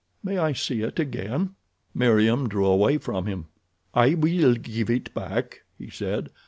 May I see it again?" Meriem drew away from him. "I will give it back," he said.